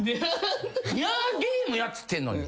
にゃーゲームやっつってんのに。